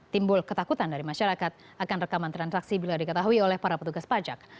timbul ketakutan dari masyarakat akan rekaman transaksi bila diketahui oleh para petugas pajak